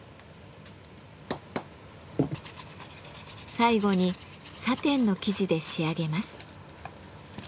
最後にサテンの生地で仕上げます。